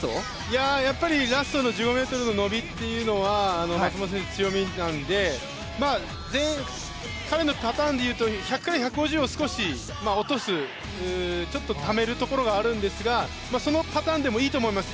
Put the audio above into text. やっぱりラストの１５ｍの伸びというのは松元選手の強みなので彼のパターンでいうと１００から１５０を少し落とすちょっとためるところがあるんですがそのパターンでもいいと思います。